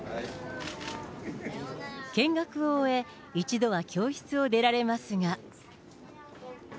見学を終え、一度は教室を出られますが。